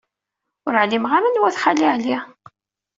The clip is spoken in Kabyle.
Ur ɛlimeɣ ara anwat Xali Ɛli.